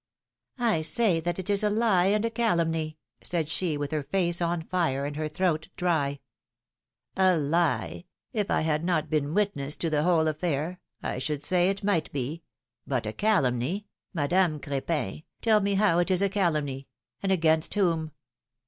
I say that it is a lie and a calumny,^^ said she, with her face on fire, and her throat dry. lie — iff I had not been witness to the whole affair, I should say it might be — but a calumny — Madame Cr4pin, tell me how it is a calumny, and against whom